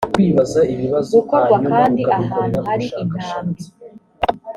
gukorwa kandi ahantu hari intambi